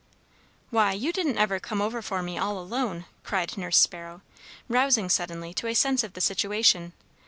"Why, you didn't ever come over for me all alone!" cried Nurse Sparrow, rousing suddenly to a sense of the situation.